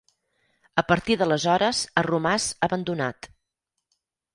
A partir d'aleshores ha romàs abandonat.